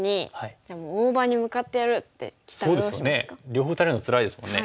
両方打たれるのつらいですもんね。